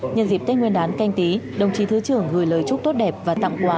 nhân dịp tết nguyên đán canh tí đồng chí thứ trưởng gửi lời chúc tốt đẹp và tặng quà